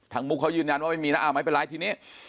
มุกเขายืนยันว่าไม่มีนะไม่เป็นไรทีนี้